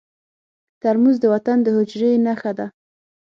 ترموز د وطن د حجرې نښه ده.